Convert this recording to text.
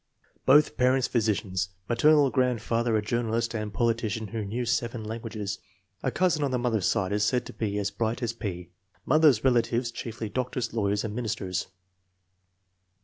Both parents physicians. Maternal grandfather a journalist and politician who knew seven languages. A cousin on the mother's side is said to be as bright as P. Mother's relatives chiefly doctors, lawyers, and ministers.